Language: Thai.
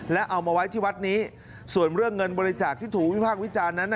และเอามาไว้ที่วัดนี้ส่วนเรื่องเงินบริจาคที่ถูกวิพากษ์วิจารณ์นั้น